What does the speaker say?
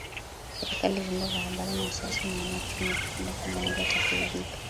Serikali vyombo vya habari na wanasiasa maana uchumi ukipanda kila mmoja atafaidika